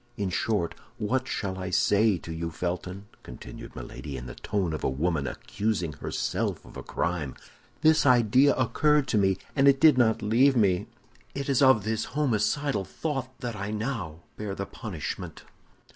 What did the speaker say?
In short, what shall I say to you, Felton?" continued Milady, in the tone of a woman accusing herself of a crime. "This idea occurred to me, and did not leave me; it is of this homicidal thought that I now bear the punishment."